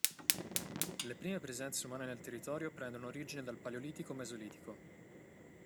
Le prime presenze umane nel territorio prendono origine dal Paleolitico-Mesolitico.